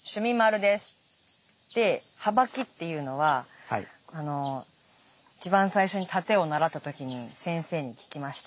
ではばきっていうのは一番最初に殺陣を習った時に先生に聞きました。